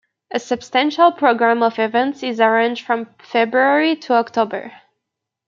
A substantial program of events is arranged from February to October.